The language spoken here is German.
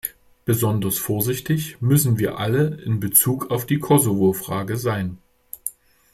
Besonders vorsichtig müssen wir alle in Bezug auf die Kosovofrage sein.